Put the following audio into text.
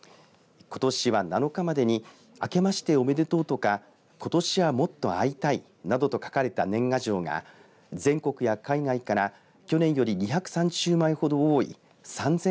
ことしは７日までに明けましておめでとうとかことしはもっと会いたいなどと書かれた年賀状が全国や海外から去年より２３０枚ほど多い３８０８